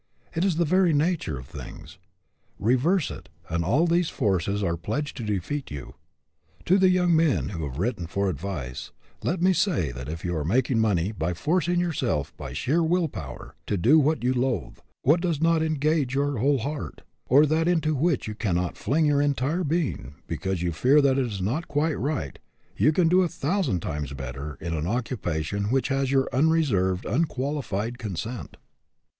It is the very nature of things. Reverse it, and all these forces are pledged to defeat you. To the young men who have written for ad vice, let me say that if you are making money by forcing yourself by sheer will power to do what you loathe, what does not engage your whole heart, or that into which you cannot fling your entire being, because you fear that it is not quite right, you can do a thousand times better in an occupation which has your unreserved, unqualified consent.